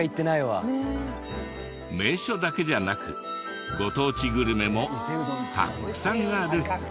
名所だけじゃなくご当地グルメもたくさんある。